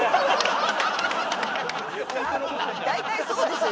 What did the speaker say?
大体そうですよ